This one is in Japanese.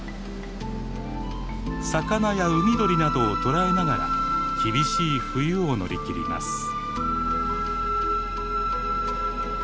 魚や海鳥などを捕らえながら厳しい冬を乗り切ります。